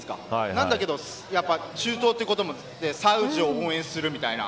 なんだけど、中東ということでサウジを応援するみたいな